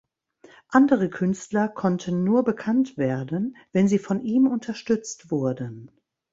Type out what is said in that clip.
Andere Künstler konnten nur bekannt werden, wenn sie von ihm unterstützt wurden.